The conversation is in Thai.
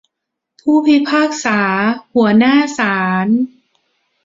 ผู้พิพากษาหัวหน้าศาล